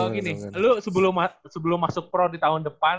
lu sebelum masuk pro di tahun depan